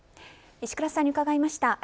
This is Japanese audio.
石倉さんに伺いました。